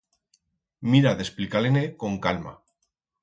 Mira d'explicar-le-ne con calma.